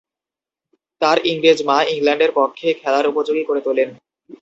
তার ইংরেজ মা ইংল্যান্ডের পক্ষে খেলার উপযোগী করে তোলেন।